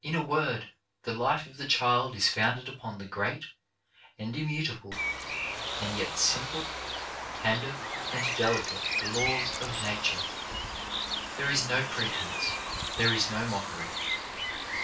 In a word, the life of the child is founded upon the great and immutable, and yet simple, tender and deli cate laws of nature. There is no pretence. There is no mockery.